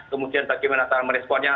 kemudian bagaimana cara meresponnya